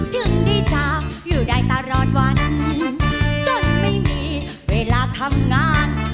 ถึงได้จากอยู่ได้ตลอดวันจนไม่มีเวลาทำงาน